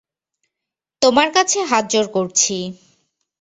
তোমার কাছে হাতজোড় করছি।